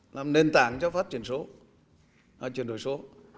làm nền tảng cho phát triển số chuyển đổi số